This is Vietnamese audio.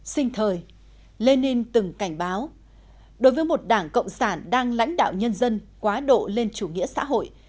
sinh thời lenin từng cảnh báo đối với một đảng cộng sản đang lãnh đạo nhân dân quá độ lên chủ nghĩa xã hội